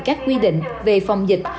các quy định về phòng dịch